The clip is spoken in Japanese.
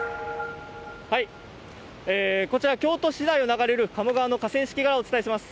こちら、京都市内を流れる鴨川の河川敷側からお伝えします。